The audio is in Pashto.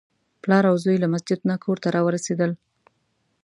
پلار او زوی له مسجد نه کور ته راورسېدل.